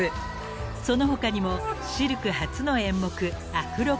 ［その他にもシルク初の演目］